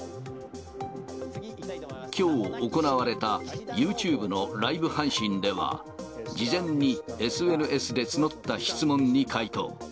きょう行われたユーチューブのライブ配信では、事前にＳＮＳで募った質問に回答。